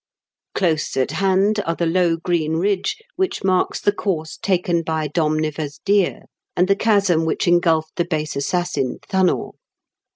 305 Close at hand are the low green ridge which marks the course taken by Domneva's deer, and the chasm which engulfed the base assassin, Thunnor.